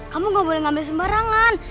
kamu gak boleh ngambil sembarangan